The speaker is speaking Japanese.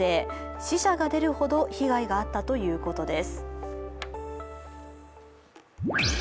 死者が出るほど被害があったということです。